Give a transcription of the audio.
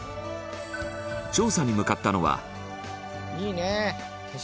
調査に向かったのは田中：